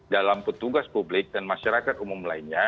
dalam petugas publik dan masyarakat umum lainnya